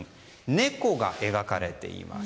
猫が描かれています。